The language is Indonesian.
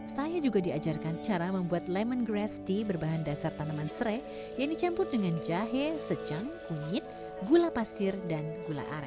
saya juga diajarkan cara membuat lemon grass tea berbahan dasar tanaman serai yang dicampur dengan jahe secang kunyit gula pasir dan gula aren